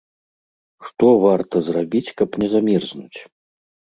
Што варта зрабіць, каб не замерзнуць.